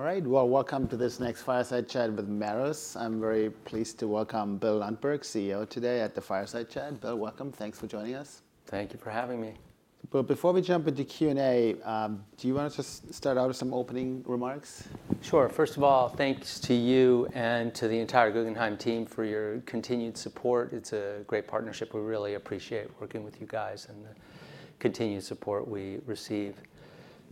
All right. Well, welcome to this next Fireside Chat with Merus. I'm very pleased to welcome Bill Lundberg, CEO today at the Fireside Chat. Bill, welcome. Thanks for joining us. Thank you for having me. Before we jump into Q&A, do you want to just start out with some opening remarks? Sure. First of all, thanks to you and to the entire Guggenheim team for your continued support. It's a great partnership. We really appreciate working with you guys and the continued support we receive.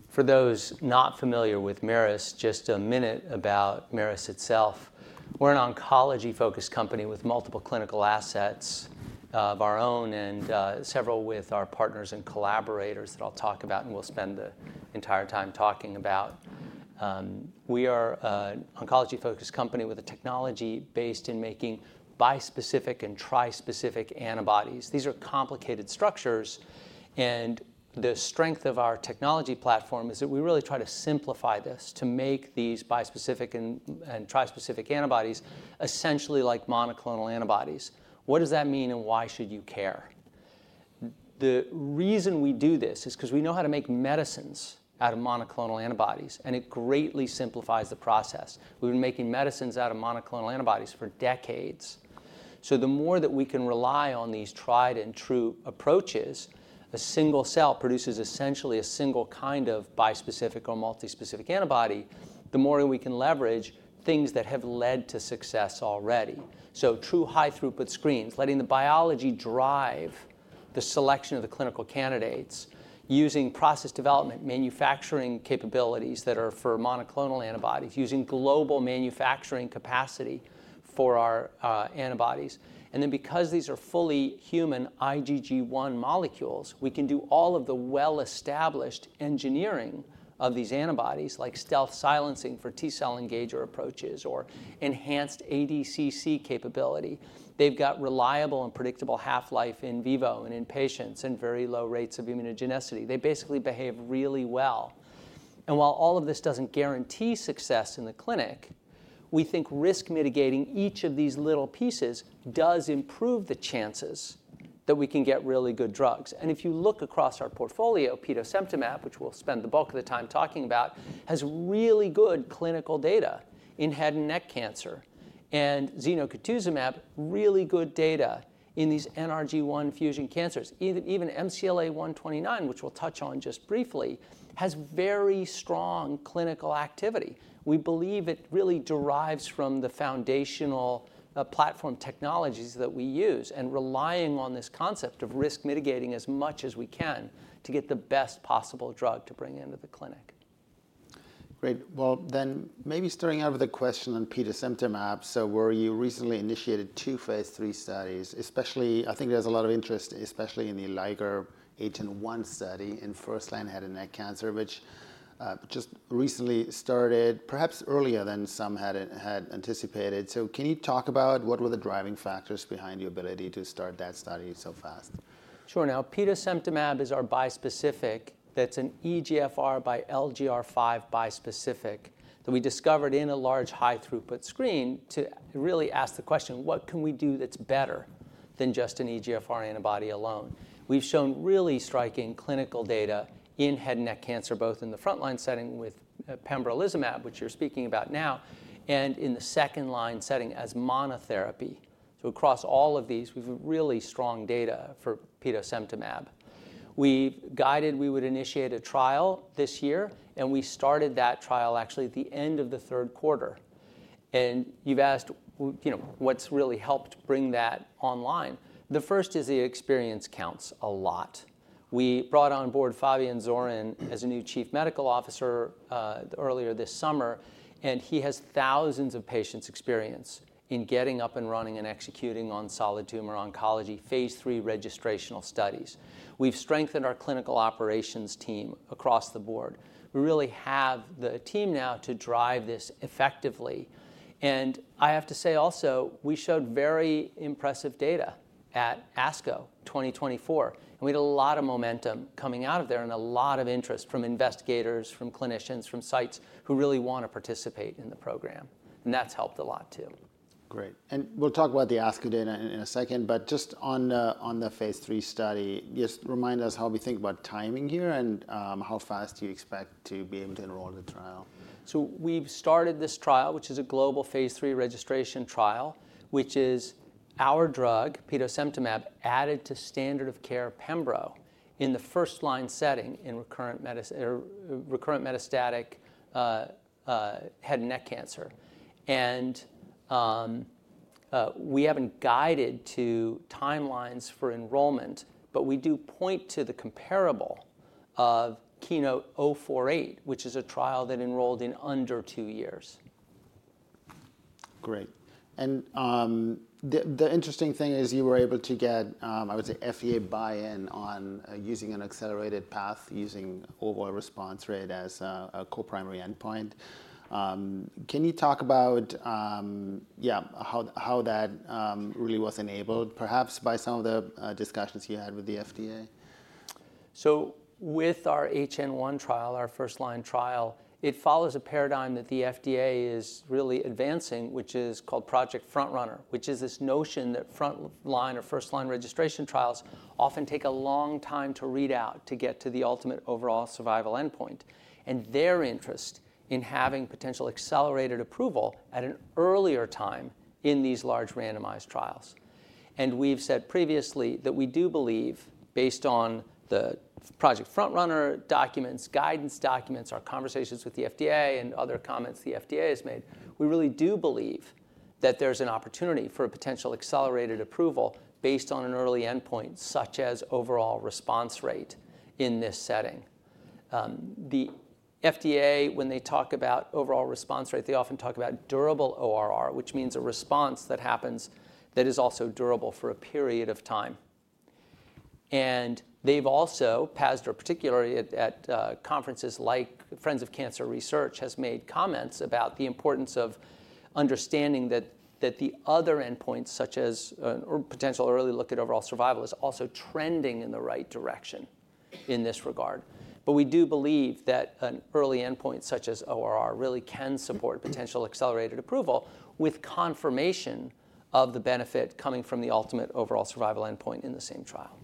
For those not familiar with Merus, just a minute about Merus itself. We're an oncology-focused company with multiple clinical assets of our own and several with our partners and collaborators that I'll talk about, and we'll spend the entire time talking about. We are an oncology-focused company with a technology based in making bispecific and trispecific antibodies. These are complicated structures, and the strength of our technology platform is that we really try to simplify this to make these bispecific and trispecific antibodies essentially like monoclonal antibodies. What does that mean, and why should you care? The reason we do this is because we know how to make medicines out of monoclonal antibodies, and it greatly simplifies the process. We've been making medicines out of monoclonal antibodies for decades. So the more that we can rely on these tried-and-true approaches, a single cell produces essentially a single kind of bispecific or multispecific antibody, the more we can leverage things that have led to success already. So true high-throughput screens, letting the biology drive the selection of the clinical candidates, using process development, manufacturing capabilities that are for monoclonal antibodies, using global manufacturing capacity for our antibodies. And then because these are fully human IgG1 molecules, we can do all of the well-established engineering of these antibodies, like stealth silencing for T-cell engager approaches or enhanced ADCC capability. They've got reliable and predictable half-life in vivo and in patients and very low rates of immunogenicity. They basically behave really well. And while all of this doesn't guarantee success in the clinic, we think risk mitigating each of these little pieces does improve the chances that we can get really good drugs. And if you look across our portfolio, petosemtamab, which we'll spend the bulk of the time talking about, has really good clinical data in head and neck cancer. And zenocutuzumab, really good data in these NRG1 fusion cancers. Even MCLA-129, which we'll touch on just briefly, has very strong clinical activity. We believe it really derives from the foundational platform technologies that we use and relying on this concept of risk mitigating as much as we can to get the best possible drug to bring into the clinic. Great. Well, then maybe starting out with a question on petosemtamab. So you recently initiated two phase three studies, especially I think there's a lot of interest, especially in the LiGeR-HN1 study in first-line head and neck cancer, which just recently started, perhaps earlier than some had anticipated. So can you talk about what were the driving factors behind your ability to start that study so fast? Sure. Now, petosemtamab is our bispecific that's an EGFR x LGR5 bispecific that we discovered in a large high-throughput screen to really ask the question, what can we do that's better than just an EGFR antibody alone? We've shown really striking clinical data in head and neck cancer, both in the front-line setting with pembrolizumab, which you're speaking about now, and in the second-line setting as monotherapy. So across all of these, we've had really strong data for petosemtamab. We guided we would initiate a trial this year, and we started that trial actually at the end of the third quarter. And you've asked what's really helped bring that online. The first is the experience counts a lot. We brought on board Fabian Zohren as a new Chief Medical Officer earlier this summer, and he has thousands of patients' experience in getting up and running and executing on solid tumor oncology phase 3 registrational studies. We've strengthened our clinical operations team across the board. We really have the team now to drive this effectively, and I have to say also, we showed very impressive data at ASCO 2024, and we had a lot of momentum coming out of there and a lot of interest from investigators, from clinicians, from sites who really want to participate in the program, and that's helped a lot too. Great. And we'll talk about the ASCO data in a second. But just on the phase three study, just remind us how we think about timing here and how fast you expect to be able to enroll in the trial? So we've started this trial, which is a global phase three registration trial, which is our drug, petosemtamab, added to standard of care pembro in the first-line setting in recurrent metastatic head and neck cancer. And we haven't guided to timelines for enrollment, but we do point to the comparable of KEYNOTE-048, which is a trial that enrolled in under two years. Great. And the interesting thing is you were able to get, I would say, FDA buy-in on using an accelerated path using overall response rate as a core primary endpoint. Can you talk about, yeah, how that really was enabled, perhaps by some of the discussions you had with the FDA? With our HN-1 trial, our first-line trial, it follows a paradigm that the FDA is really advancing, which is called Project FrontRunner, which is this notion that front-line or first-line registration trials often take a long time to read out to get to the ultimate overall survival endpoint and their interest in having potential accelerated approval at an earlier time in these large randomized trials. We've said previously that we do believe, based on the Project FrontRunner documents, guidance documents, our conversations with the FDA, and other comments the FDA has made, we really do believe that there's an opportunity for a potential accelerated approval based on an early endpoint, such as overall response rate in this setting. The FDA, when they talk about overall response rate, they often talk about durable ORR, which means a response that happens that is also durable for a period of time. And they've also paused particularly at conferences like Friends of Cancer Research has made comments about the importance of understanding that the other endpoints, such as potential early look at overall survival, is also trending in the right direction in this regard. But we do believe that an early endpoint, such as ORR, really can support potential accelerated approval with confirmation of the benefit coming from the ultimate overall survival endpoint in the same trial.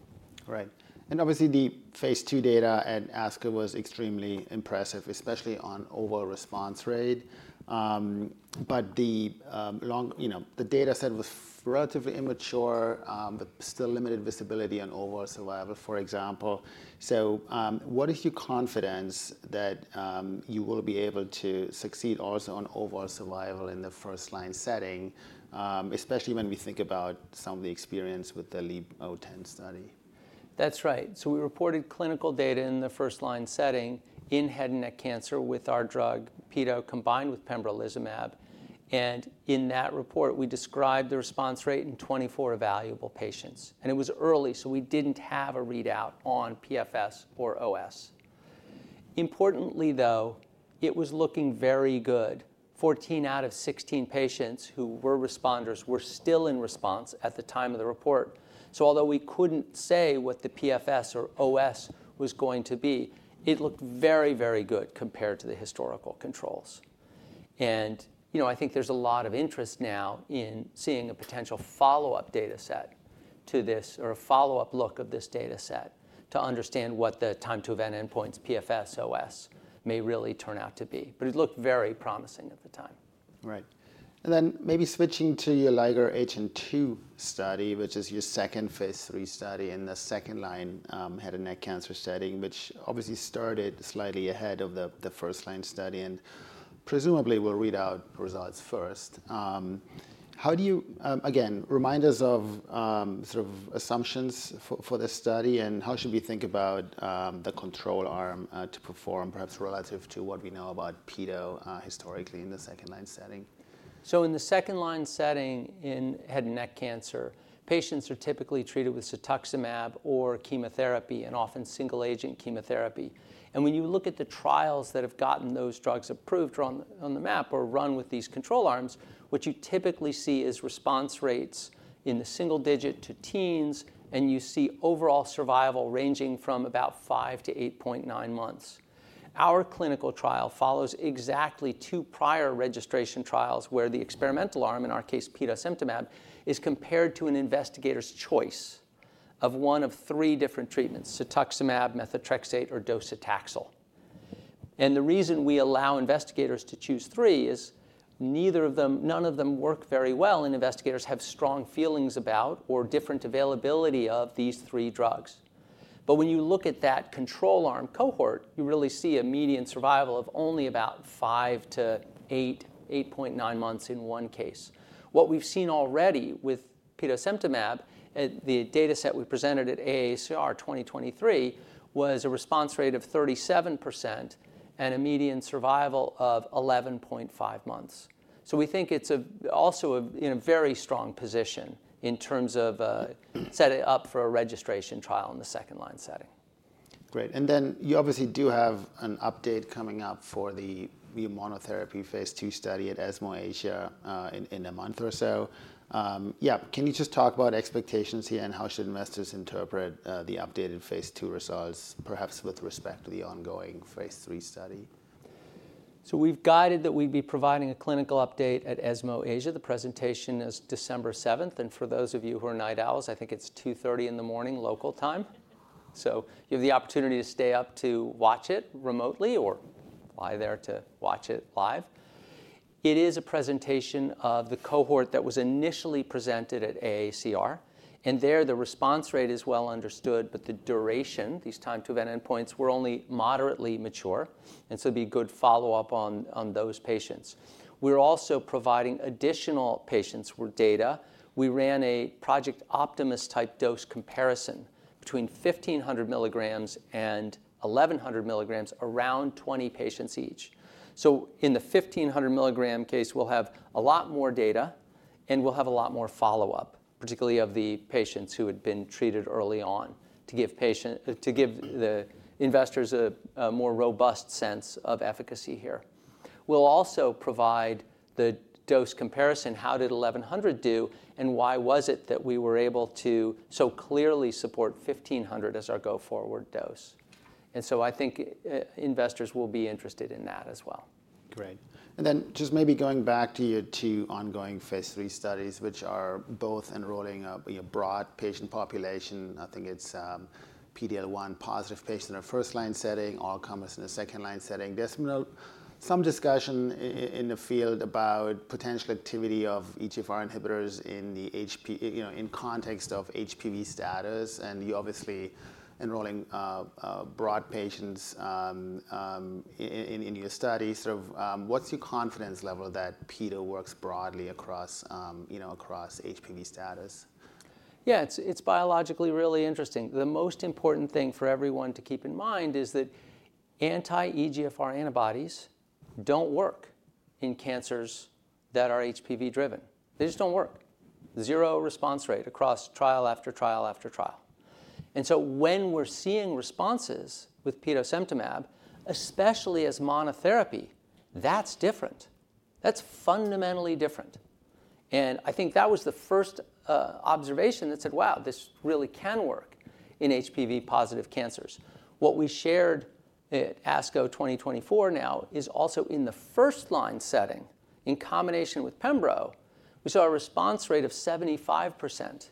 Right. And obviously, the phase two data at ASCO was extremely impressive, especially on overall response rate. But the data set was relatively immature, but still limited visibility on overall survival, for example. So what is your confidence that you will be able to succeed also on overall survival in the first-line setting, especially when we think about some of the experience with the LEAP-010 study? That's right. So we reported clinical data in the first-line setting in head and neck cancer with our drug, petosemtamab, combined with pembrolizumab. And in that report, we described the response rate in 24 evaluable patients. And it was early, so we didn't have a readout on PFS or OS. Importantly, though, it was looking very good. 14 out of 16 patients who were responders were still in response at the time of the report. So although we couldn't say what the PFS or OS was going to be, it looked very, very good compared to the historical controls. And I think there's a lot of interest now in seeing a potential follow-up data set to this or a follow-up look of this data set to understand what the time to event endpoints, PFS, OS may really turn out to be. But it looked very promising at the time. Right. And then maybe switching to your LiGeR-HN2 study, which is your second phase three study in the second-line head and neck cancer setting, which obviously started slightly ahead of the first-line study and presumably will read out results first. How do you, again, remind us of sort of assumptions for this study and how should we think about the control arm to perform, perhaps relative to what we know about Peto historically in the second-line setting? In the second-line setting in head and neck cancer, patients are typically treated with cetuximab or chemotherapy and often single-agent chemotherapy. And when you look at the trials that have gotten those drugs approved on the map or run with these control arms, what you typically see is response rates in the single digit to teens, and you see overall survival ranging from about 5-8.9 months. Our clinical trial follows exactly two prior registration trials where the experimental arm, in our case, petosemtamab, is compared to an investigator's choice of one of three different treatments: cetuximab, methotrexate, or docetaxel. And the reason we allow investigators to choose three is neither of them, none of them work very well, and investigators have strong feelings about or different availability of these three drugs. But when you look at that control arm cohort, you really see a median survival of only about five to eight, 8.9 months in one case. What we've seen already with petosemtamab, the data set we presented at AACR 2023, was a response rate of 37% and a median survival of 11.5 months. So we think it's also in a very strong position in terms of setting up for a registration trial in the second-line setting. Great. And then you obviously do have an update coming up for the new monotherapy phase two study at ESMO Asia in a month or so. Yeah. Can you just talk about expectations here and how should investors interpret the updated phase two results, perhaps with respect to the ongoing phase three study? So we've guided that we'd be providing a clinical update at ESMO Asia. The presentation is December 7th. And for those of you who are night owls, I think it's 2:30 A.M. local time. So you have the opportunity to stay up to watch it remotely or lie there to watch it live. It is a presentation of the cohort that was initially presented at AACR. And there, the response rate is well understood, but the duration, these time to event endpoints, were only moderately mature. And so it'd be good follow-up on those patients. We're also providing additional patients' data. We ran a Project Optimist-type dose comparison between 1,500 milligrams and 1,100 milligrams around 20 patients each. So in the 1,500 milligram case, we'll have a lot more data and we'll have a lot more follow-up, particularly of the patients who had been treated early on to give the investors a more robust sense of efficacy here. We'll also provide the dose comparison, how did 1,100 do? and why was it that we were able to so clearly support 1,500 as our go-forward dose. And so I think investors will be interested in that as well. Great. And then just maybe going back to your two ongoing phase 3 studies, which are both enrolling a broad patient population. I think it's PD-L1 positive patients in a first-line setting, all comers in a second-line setting. There's some discussion in the field about potential activity of EGFR inhibitors in context of HPV status. And you're obviously enrolling broad patients in your study. Sort of what's your confidence level that petosemtamab works broadly across HPV status? Yeah, it's biologically really interesting. The most important thing for everyone to keep in mind is that anti-EGFR antibodies don't work in cancers that are HPV-driven. They just don't work. Zero response rate across trial after trial after trial. And so when we're seeing responses with petosemtamab, especially as monotherapy, that's different. That's fundamentally different. And I think that was the first observation that said, wow, this really can work in HPV-positive cancers. What we shared at ASCO 2024 now is also in the first-line setting in combination with pembro, we saw a response rate of 75%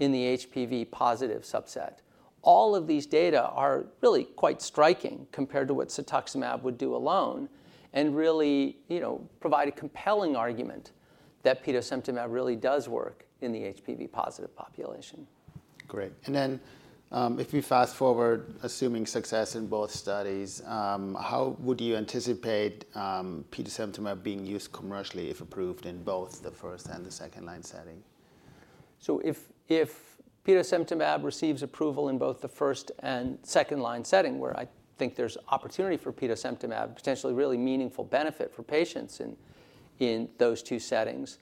in the HPV-positive subset. All of these data are really quite striking compared to what cetuximab would do alone and really provide a compelling argument that petosemtamab really does work in the HPV-positive population. Great. And then if we fast forward, assuming success in both studies, how would you anticipate petosemtamab being used commercially if approved in both the first- and second-line setting? So if petosemtamab receives approval in both the first and second-line setting, where I think there's opportunity for petosemtamab, potentially really meaningful benefit for patients in those two settings,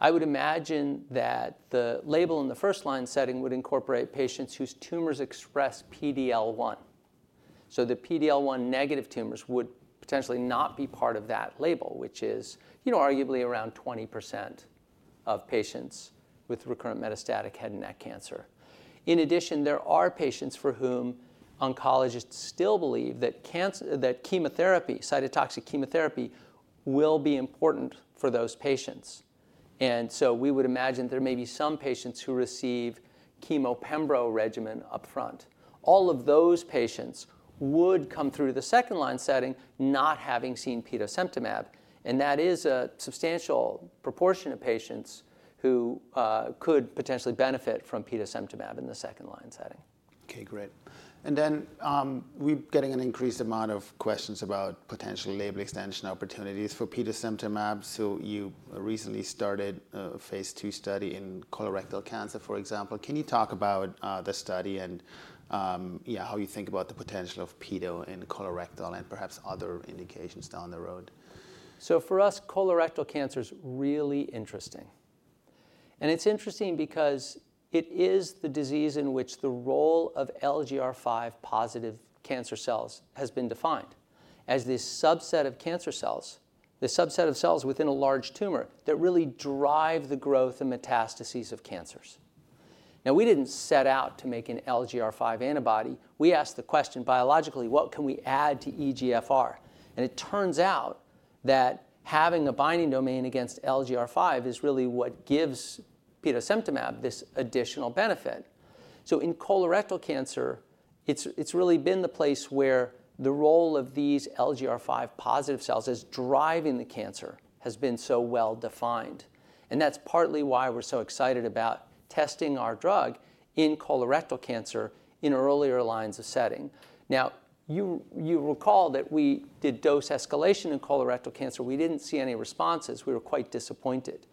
I would imagine that the label in the first-line setting would incorporate patients whose tumors express PD-L1. So the PD-L1 negative tumors would potentially not be part of that label, which is arguably around 20% of patients with recurrent metastatic head and neck cancer. In addition, there are patients for whom oncologists still believe that chemotherapy, cytotoxic chemotherapy, will be important for those patients. And so we would imagine there may be some patients who receive chemo pembro regimen upfront. All of those patients would come through the second-line setting not having seen petosemtamab. And that is a substantial proportion of patients who could potentially benefit from petosemtamab in the second-line setting. Okay, great, and then we're getting an increased amount of questions about potential label extension opportunities for petosemtamab. So you recently started a phase two study in colorectal cancer, for example. Can you talk about the study and how you think about the potential of Peto in colorectal and perhaps other indications down the road? So for us, colorectal cancer is really interesting. And it's interesting because it is the disease in which the role of LGR5 positive cancer cells has been defined as this subset of cancer cells, the subset of cells within a large tumor that really drive the growth and metastases of cancers. Now, we didn't set out to make an LGR5 antibody. We asked the question biologically, what can we add to EGFR? And it turns out that having a binding domain against LGR5 is really what gives petosemtamab this additional benefit. So in colorectal cancer, it's really been the place where the role of these LGR5 positive cells as driving the cancer has been so well defined. And that's partly why we're so excited about testing our drug in colorectal cancer in earlier lines of setting. Now, you recall that we did dose escalation in colorectal cancer. We didn't see any responses. We were quite disappointed.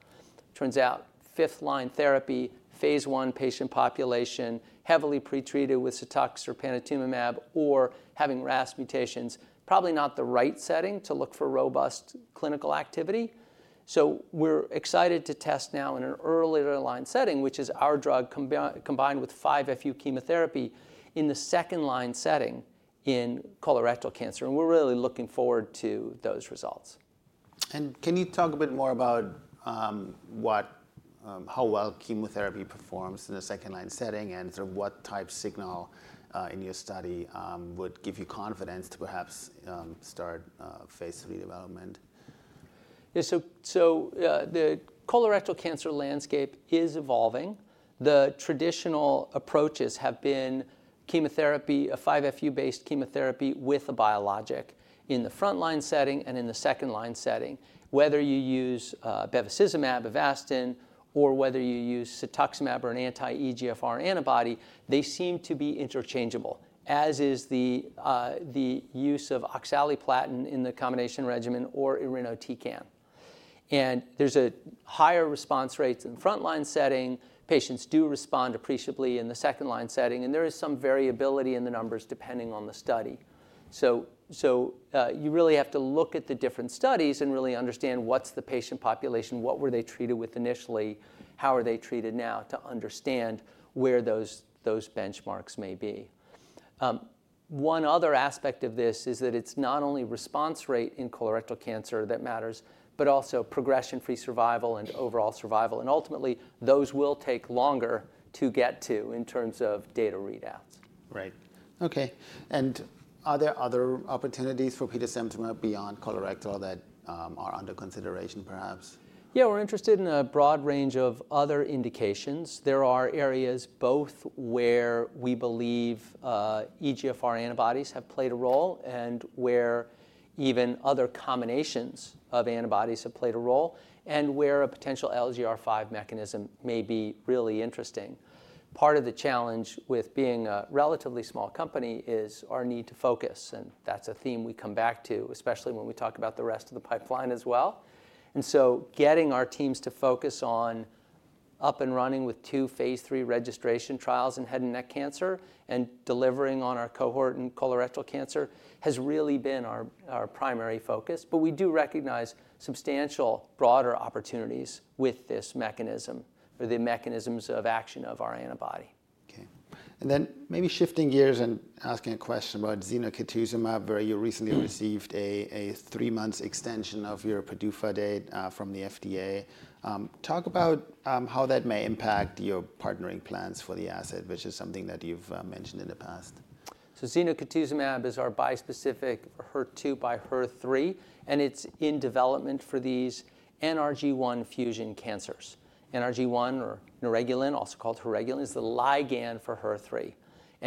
Turns out fifth-line therapy, phase one patient population, heavily pretreated with cetuximab or panitumumab or having RAS mutations, probably not the right setting to look for robust clinical activity. So we're excited to test now in an earlier line setting, which is our drug combined with 5-FU chemotherapy in the second-line setting in colorectal cancer. And we're really looking forward to those results. Can you talk a bit more about how well chemotherapy performs in the second-line setting and sort of what type signal in your study would give you confidence to perhaps start phase three development? Yeah, so the colorectal cancer landscape is evolving. The traditional approaches have been chemotherapy, a 5-FU-based chemotherapy with a biologic in the front-line setting and in the second-line setting. Whether you use bevacizumab, Avastin, or whether you use cetuximab or an anti-EGFR antibody, they seem to be interchangeable, as is the use of oxaliplatin in the combination regimen or irinotecan, and there's a higher response rate in the front-line setting. Patients do respond appreciably in the second-line setting, and there is some variability in the numbers depending on the study, so you really have to look at the different studies and really understand what's the patient population, what were they treated with initially, how are they treated now to understand where those benchmarks may be. One other aspect of this is that it's not only response rate in colorectal cancer that matters, but also progression-free survival and overall survival. Ultimately, those will take longer to get to in terms of data readouts. Right. Okay. And are there other opportunities for petosemtamab beyond colorectal that are under consideration perhaps? Yeah, we're interested in a broad range of other indications. There are areas both where we believe EGFR antibodies have played a role and where even other combinations of antibodies have played a role and where a potential LGR5 mechanism may be really interesting. Part of the challenge with being a relatively small company is our need to focus, and that's a theme we come back to, especially when we talk about the rest of the pipeline as well. And so getting our teams to focus on up and running with two phase three registration trials in head and neck cancer and delivering on our cohort in colorectal cancer has really been our primary focus, but we do recognize substantial broader opportunities with this mechanism or the mechanisms of action of our antibody. Okay. And then maybe shifting gears and asking a question about zenocutuzumab where you recently received a three-month extension of your PDUFA date from the FDA. Talk about how that may impact your partnering plans for the asset, which is something that you've mentioned in the past. Zenocutuzumab is our bispecific HER2 x HER3. It's in development for these NRG1 fusion cancers. NRG1 or neuregulin, also called heregulin, is the ligand for HER3.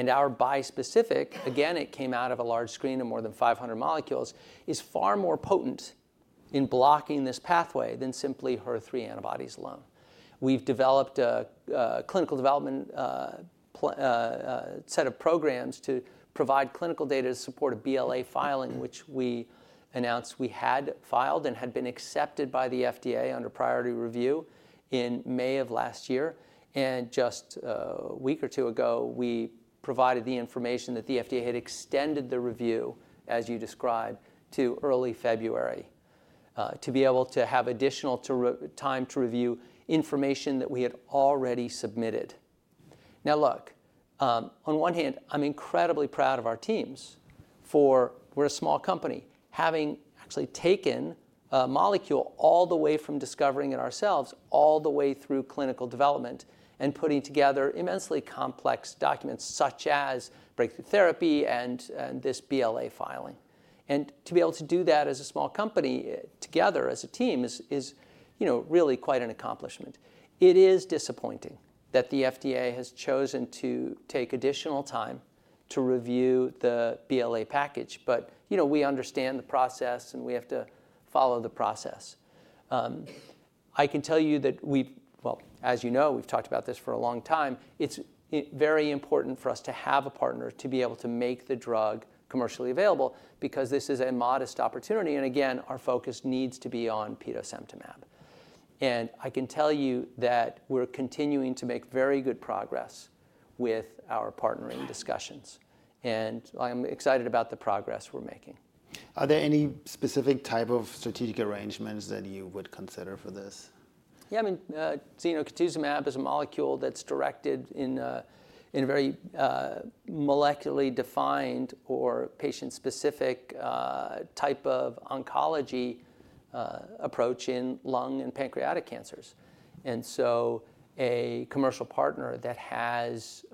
Our bispecific, again, it came out of a large screen of more than 500 molecules, is far more potent in blocking this pathway than simply HER3 antibodies alone. We've developed a clinical development set of programs to provide clinical data to support a BLA filing, which we announced we had filed and had been accepted by the FDA under priority review in May of last year. Just a week or two ago, we provided the information that the FDA had extended the review, as you described, to early February to be able to have additional time to review information that we had already submitted. Now, look, on one hand, I'm incredibly proud of our teams for we're a small company having actually taken a molecule all the way from discovering it ourselves all the way through clinical development and putting together immensely complex documents such as breakthrough therapy and this BLA filing, and to be able to do that as a small company together as a team is really quite an accomplishment. It is disappointing that the FDA has chosen to take additional time to review the BLA package, but we understand the process and we have to follow the process. I can tell you that we, well, as you know, we've talked about this for a long time. It's very important for us to have a partner to be able to make the drug commercially available because this is a modest opportunity, and again, our focus needs to be on petosemtamab. I can tell you that we're continuing to make very good progress with our partnering discussions. I'm excited about the progress we're making. Are there any specific type of strategic arrangements that you would consider for this? Yeah, I mean, zenocutuzumab is a molecule that's directed in a very molecularly defined or patient-specific type of oncology approach in lung and pancreatic cancers. And so a commercial partner that has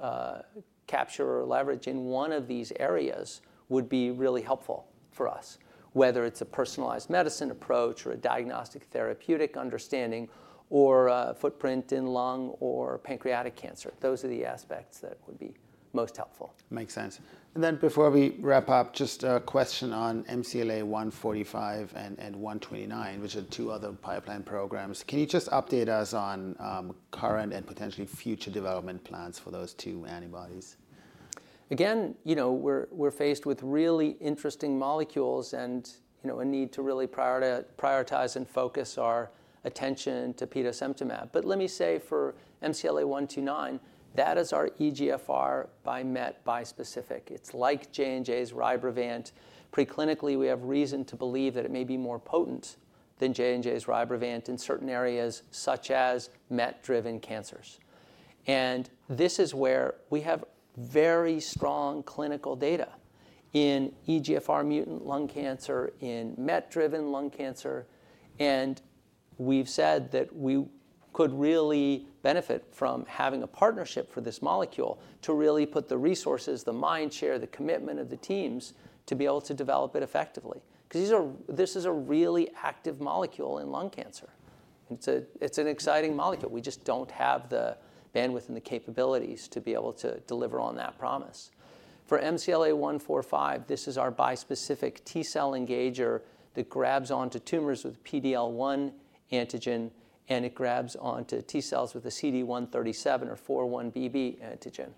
capture or leverage in one of these areas would be really helpful for us, whether it's a personalized medicine approach or a diagnostic therapeutic understanding or a footprint in lung or pancreatic cancer. Those are the aspects that would be most helpful. Makes sense. And then before we wrap up, just a question on MCLA-145 and MCLA-129, which are two other pipeline programs. Can you just update us on current and potentially future development plans for those two antibodies? Again, we're faced with really interesting molecules and a need to really prioritize and focus our attention to petosemtamab. But let me say for MCLA-129, that is our EGFR x MET bispecific. It's like J&J's Rybrevant. Preclinically, we have reason to believe that it may be more potent than J&J's Rybrevant in certain areas such as MET-driven cancers. And this is where we have very strong clinical data in EGFR mutant lung cancer, in MET-driven lung cancer. And we've said that we could really benefit from having a partnership for this molecule to really put the resources, the mindshare, the commitment of the teams to be able to develop it effectively. Because this is a really active molecule in lung cancer. It's an exciting molecule. We just don't have the bandwidth and the capabilities to be able to deliver on that promise. For MCLA-145, this is our bispecific T-cell engager that grabs onto tumors with PD-L1 antigen and it grabs onto T cells with a CD137 or 4-1BB antigen.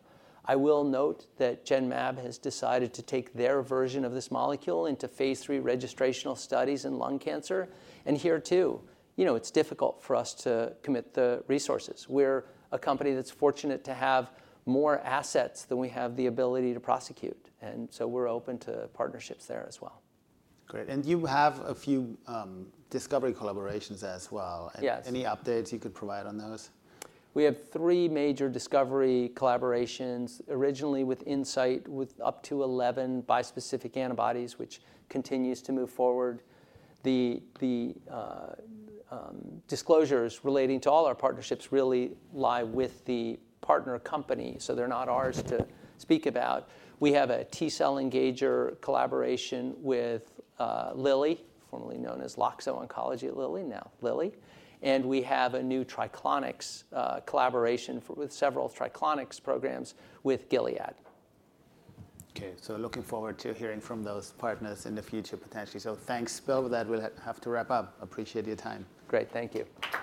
I will note that Genmab has decided to take their version of this molecule into phase 3 registrational studies in lung cancer, and here too, it's difficult for us to commit the resources. We're a company that's fortunate to have more assets than we have the ability to prosecute, and so we're open to partnerships there as well. Great, and you have a few discovery collaborations as well. Yes. Any updates you could provide on those? We have three major discovery collaborations originally with Incyte with up to 11 bispecific antibodies, which continues to move forward. The disclosures relating to all our partnerships really lie with the partner company, so they're not ours to speak about. We have a T-cell engager collaboration with Lilly, formerly known as Loxo Oncology Lilly, now Lilly. And we have a new Triclonics collaboration with several Triclonics programs with Gilead. Okay, so looking forward to hearing from those partners in the future potentially. So thanks. Well, with that, we'll have to wrap up. Appreciate your time. Great. Thank you.